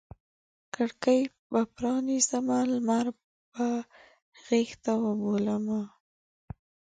کړکۍ به پرانیزمه لمر به غیږته وبولمه